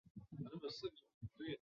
初为翰林院编修。